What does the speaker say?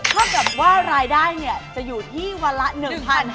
เท่ากับว่ารายได้จะอยู่ที่วันละ๑๕๐๐